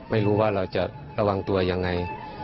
ไม่รู้ว่าเราจะระวังตัวยังไง